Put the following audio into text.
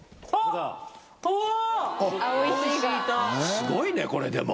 すごいねこれでも。